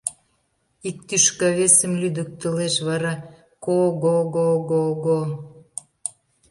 Ик тӱшка весым лӱдыктылеш, вара — ко-го-го-го-го!